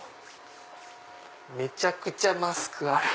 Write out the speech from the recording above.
めちゃくちゃマスクある！